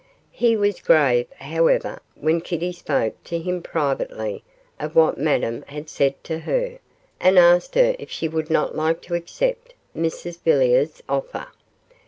He was grave, however, when Kitty spoke to him privately of what Madame had said to her, and asked her if she would not like to accept Mrs Villiers' offer.